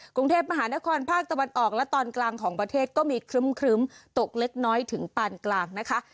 กรุงเทพมหานครภาคตะวันออกและตอนกลางของประเทศก็มีครึ้มตกเล็กน้อยถึงปานกลางนะคะ